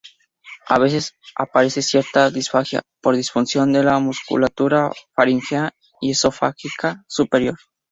A veces, aparece cierta disfagia por disfunción de la musculatura faríngea y esofágica superior.